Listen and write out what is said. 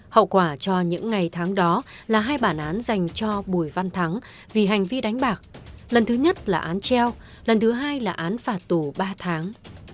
hậu quả cho những ngày tháng đó là hai bản án dành cho bùi văn thắng vì hành vi đánh bạc lần thứ nhất là án treo lần thứ hai là án phạt tù ba tháng